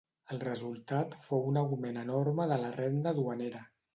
El resultat fou un augment enorme de la renda duanera.